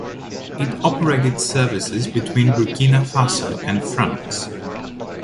It operated services between Burkina Faso and France.